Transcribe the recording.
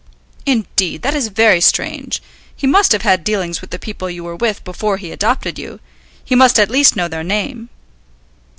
"Indeed; that is very strange. He must have had dealings with the people you were with before he adopted you. He must at least know their name?"